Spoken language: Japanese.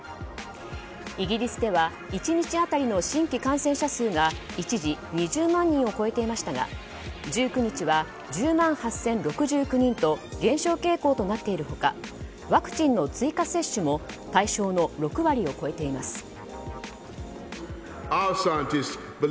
イギリスでは１日当たりの新規感染者数が一時２０万人を超えていましたが１９日は１０万８０６９人と減少傾向となっている他ワクチンの追加接種も対象の６割を超えています。